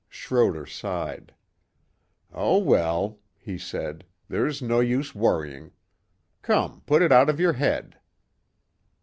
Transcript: Schroder sighed. "Oh well," he said, "there's no use worrying. Come, put it out of your head."